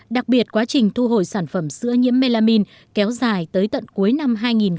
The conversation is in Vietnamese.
đặc biệt quá trình thu hồi sản phẩm sữa nhiễm melamin kéo dài tới tận cuối năm hai nghìn hai mươi